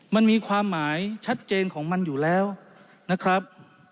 มันมีความหมายชัดเจนของมันอยู่แล้วนะครับ